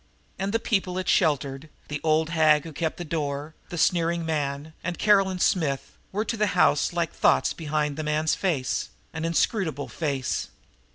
And the people it sheltered, the old hag who kept the door, the sneering man and Caroline Smith, were to the house like the thoughts behind a man's face, an inscrutable face.